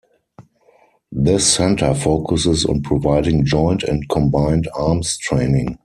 This center focuses on providing joint and combined arms training.